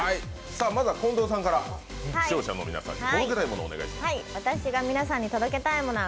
まずは近藤さんから視聴者の皆さんに届けたいものを。